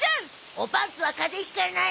おパンツは風邪引かない。